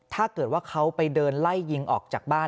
ถ้าเกิดว่าเขาไปเดินไล่ยิงออกจากบ้าน